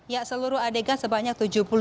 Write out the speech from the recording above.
ya seluruh adegan sebanyak tujuh